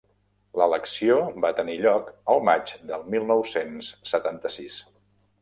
L'elecció va tenir lloc el maig del mil nou cents setanta-sis.